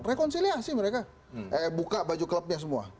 rekonsiliasi mereka buka baju klubnya semua